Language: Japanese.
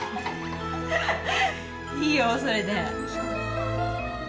いいよそれで。